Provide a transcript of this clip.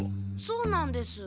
そうなんです。